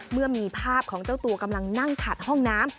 เมื่อมีภาพของเจ้าตัวกำลังนั่งขัดห้องน้ำ